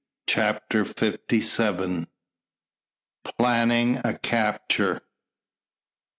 CHAPTER FIFTY SEVEN. PLANNING A CAPTURE.